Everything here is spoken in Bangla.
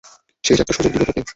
শেষ একটা সুযোগ দিব তোমাকে।